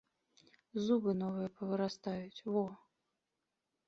Зубы новыя павырастаюць, во!